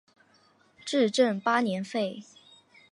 至正八年废。